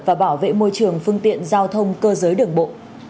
và bảo vệ môi trường phương tiện giao thông cơ giới đường bộ